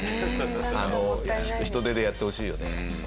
人手でやってほしいよね。